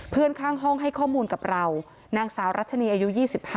เพื่อนข้างห้องให้ข้อมูลกับเรานางสาวรัชนีอายุ๒๕